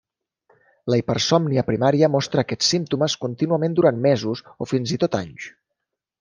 La hipersòmnia primària mostra aquests símptomes contínuament durant mesos o fins i tot anys.